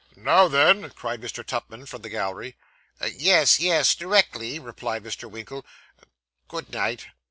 'Now then!' cried Mr. Tupman from the gallery. 'Yes, yes, directly,' replied Mr. Winkle. 'Good night!